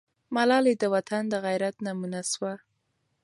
ملالۍ د وطن د غیرت نمونه سوه.